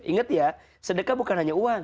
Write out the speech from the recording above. ingat ya sedekah bukan hanya uang